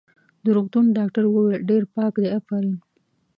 د روغتون ډاکټر وویل: ډېر پاک دی، افرین.